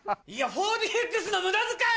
４ＤＸの無駄遣い！